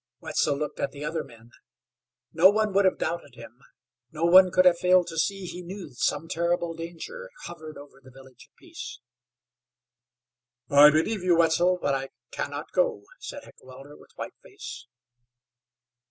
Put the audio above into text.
Wetzel looked at the other men. No one would have doubted him. No one could have failed to see he knew that some terrible anger hovered over the Village of Peace. "I believe you, Wetzel, but I can not go," said Heckewelder, with white face.